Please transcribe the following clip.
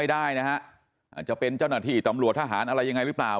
ได้นะฮะอาจจะเป็นเจ้าหน้าที่ตำรวจทหารอะไรยังไงหรือเปล่า